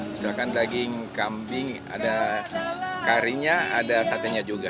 misalkan daging kambing ada karinya ada satenya juga